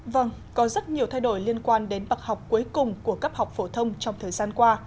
vâng có rất nhiều thay đổi liên quan đến bậc học cuối cùng của cấp học phổ thông trong thời gian qua